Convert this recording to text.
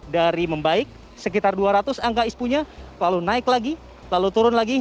dari membaik sekitar dua ratus angka ispunya lalu naik lagi lalu turun lagi